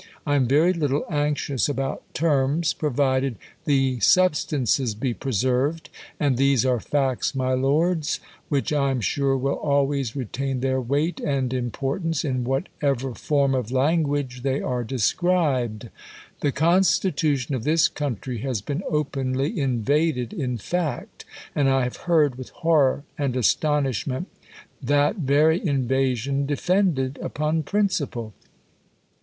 I am ver; little anxious about terms, 168 THE COLUMBIAN ORATOR. terms, provided the substances be preserved ; and thes« are facts, my lords, which I am sure will always retain their weight and importance, in whatever form of Ian gi?age they are described. The constitution of this country has been openly in vaded in fact ; and J have heard, with horror and aston ishment, that very invasion defended upon principle.